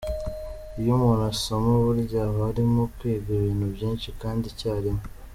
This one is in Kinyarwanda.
Iyo umuntu asoma burya aba arimo kwiga ibintu byinshi kandi icyarimwe.